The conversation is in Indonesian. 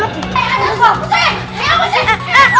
aduh ustadz buta